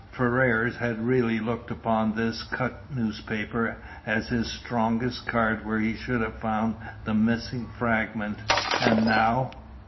Ferrars had really looked upon this cut newspaper as his strongest card when he should have found the missing fragment, and now